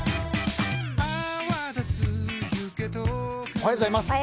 おはようございます。